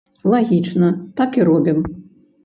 Лагічна, так і робім!